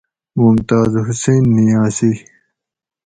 ممتاز حسین نیازی۟